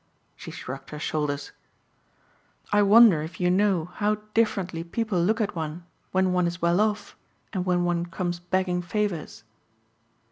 She shrugged her shoulders, "I wonder if you know how differently people look at one when one is well off and when one comes begging favors?"